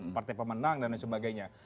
partai pemenang dan sebagainya